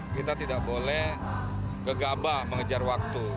kita tidak boleh gegabah mengejar waktu